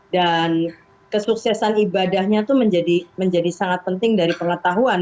dan kesuksesan ibadahnya itu menjadi sangat penting dari pengetahuan